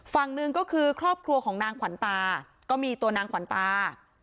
ฝั่งหนึ่งก็คือครอบครัวของนางขวัญตาก็มีตัวนางขวัญตา